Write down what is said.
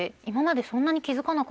今までそんなに。